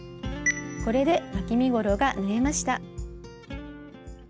これでわき身ごろが縫えました。